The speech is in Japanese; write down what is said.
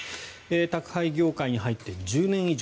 宅配業界に入って１０年以上。